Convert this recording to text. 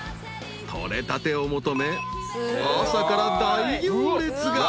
取れたてを求め朝から大行列が］